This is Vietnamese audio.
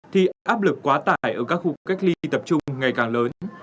thì áp lực quá tải ở các khu cách ly tập trung ngày càng lớn